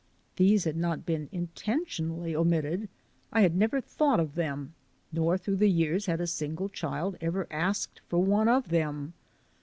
These had not been intentionally omitted. I had never thought of them, nor, through the years, had a single child ever asked for one of them.